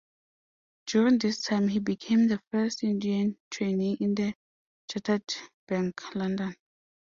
During this time he became the first Indian trainee in the Chartered Bank, London.